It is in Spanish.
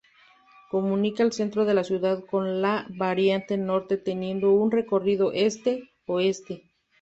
Comunica el centro de la ciudad con la Variante Norte teniendo un recorrido Este-Oeste.